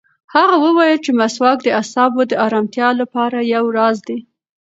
هغه وویل چې مسواک د اعصابو د ارامتیا لپاره یو راز دی.